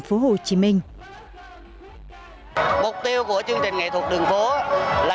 mục tiêu của chương trình nghệ thuật đường phố là chúng ta có thể tìm ra những nét đặc trưng của du lịch tp hcm